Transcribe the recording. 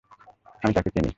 আমি তাঁকে চিনি।